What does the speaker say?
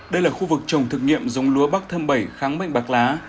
đây là khu vực trồng thực nghiệm giống lúa bắc thơm bảy kháng bệnh bạc lá